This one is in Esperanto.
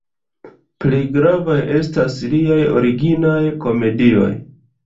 Plej gravaj estas liaj originaj komedioj.